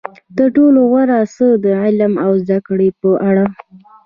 تر ټولو غوره څه د علم او زده کړې په اړه.